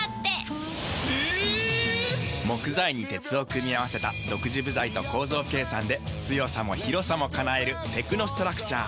木材に鉄を組み合わせた独自部材と構造計算で強さも広さも叶えるテクノストラクチャー。